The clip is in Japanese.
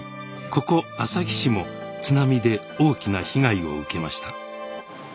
ここ旭市も津波で大きな被害を受けました。